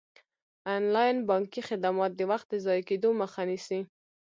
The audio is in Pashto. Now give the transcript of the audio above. انلاین بانکي خدمات د وخت د ضایع کیدو مخه نیسي.